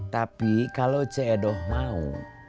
tapi kalau ceedoh mau